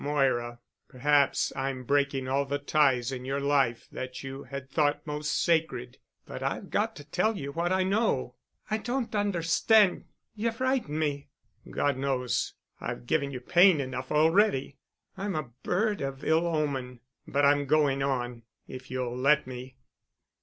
"Moira, perhaps I'm breaking all the ties in your life that you had thought most sacred, but I've got to tell you what I know." "I don't understand—you frighten me——" "God knows I've given you pain enough already. I'm a bird of ill omen. But I'm going to go on, if you'll let me."